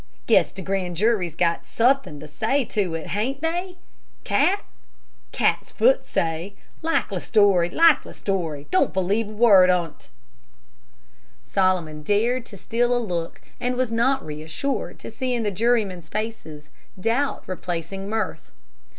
Guess the grand jury's got suthin' to say to it, hain't they? Cat? Cat's foot, I say. Likely story, likely story. Don't believe a word on 't." Solomon dared to steal a look, and was not reassured to see in the jurymen's faces doubt replacing mirth.